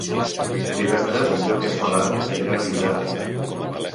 Divendres en Llop i en Ferran aniran a Vidrà.